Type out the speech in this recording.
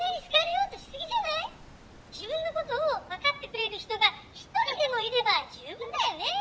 自分のことを分かってくれる人が一人でもいれば十分だよね」。